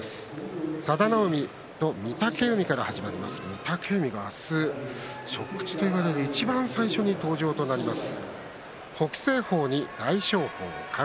御嶽海が明日、初口といわれる一番最初に登場となります。